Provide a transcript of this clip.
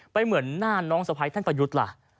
เหมือนหน้าน้องสะพ้ายท่านประยุทธ์ล่ะ